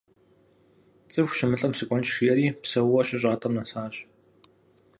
Цӏыху щымылӏэм сыкӏуэнщ жиӏэри, псэууэ щыщӏатӏэм нэсащ.